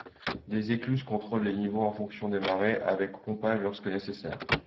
Des écluses contrôlent les niveaux en fonction des marées, avec pompage lorsque nécessaire.